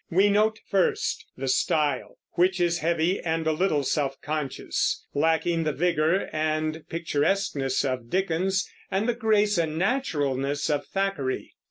We note first the style, which is heavy and a little self conscious, lacking the vigor and picturesqueness of Dickens, and the grace and naturalness of Thackeray.